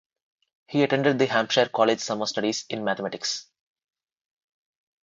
He attended the Hampshire College Summer Studies in Mathematics.